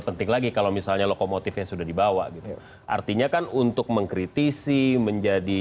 penting lagi kalau misalnya lokomotifnya sudah dibawa gitu artinya kan untuk mengkritisi menjadi